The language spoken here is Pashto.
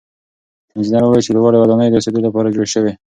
انجنیر وویل چې لوړې ودانۍ د اوسېدو لپاره جوړې سوې.